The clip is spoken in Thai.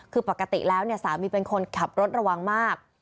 คือปกติแล้วเนี่ยสามีเป็นคนขับรถระวังมาก